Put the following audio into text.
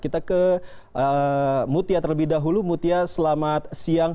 kita ke mutia terlebih dahulu mutia selamat siang